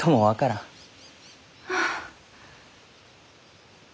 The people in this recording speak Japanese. はあ。